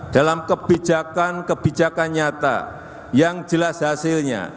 dalam kebijakan kebijakan nyata yang jelas hasilnya